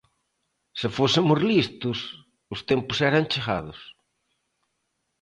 Se fósemos listos, os tempos eran chegados.